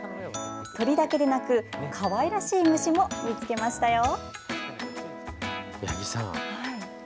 鳥だけでなく、かわいらしい虫も見つけましたよ。